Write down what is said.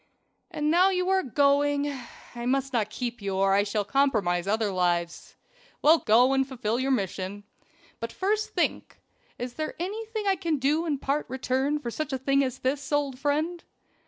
"And now you are going. I must not keep you or I shall compromise other lives. Well, go and fulfill your mission. But first think is there anything I can do in part return for such a thing as this, old friend?"